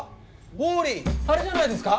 ウォーリーあれじゃないですか？